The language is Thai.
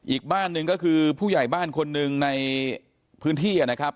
อีกบ้านหนึ่งก็คือผู้ใหญ่บ้านคนหนึ่งในพื้นที่นะครับ